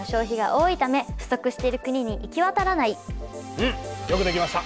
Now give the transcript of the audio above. うんよくできました。